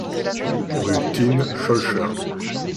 Rue Thine, Schœlcher